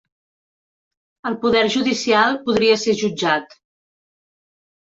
El poder judicial podria ser jutjat